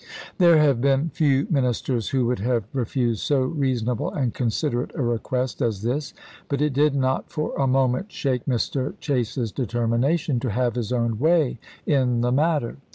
There have been few ministers who would have refused so reasonable and considerate a request as this, but it did not for a moment shake Mr. Chase's determination to have his own way in the matter.